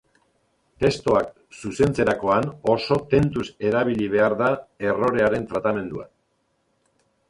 Testuak zuzentzerakoan oso tentuz erabili behar da errorearen tratamendua.